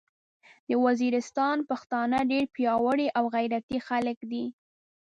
د ویزیریستان پختانه ډیر پیاوړي او غیرتي خلک دې